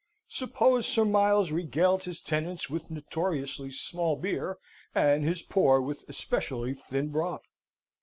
Suppose Sir Miles regaled his tenants with notoriously small beer, and his poor with especially thin broth?